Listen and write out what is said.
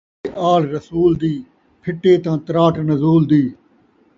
ہے آل رسول دی ، پھٹے تاں تراٹ نزول دی